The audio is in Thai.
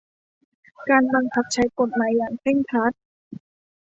การบังคับใช้กฎหมายอย่างเคร่งครัด